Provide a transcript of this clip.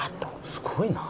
すごいなあ。